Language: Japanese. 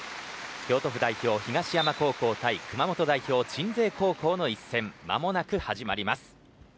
京都府代表、東山高校対熊本代表、鎮西高校の一戦まもなく始まります。